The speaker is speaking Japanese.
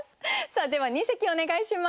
では二席お願いします。